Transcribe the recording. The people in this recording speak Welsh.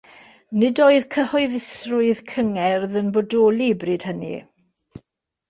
Nid oedd cyhoeddusrwydd cyngerdd yn bodoli bryd hynny.